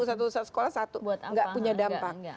satu sekolah satu nggak punya dampak